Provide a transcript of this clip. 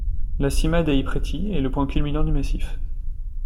La Cima dei Preti est le point culminant du massif.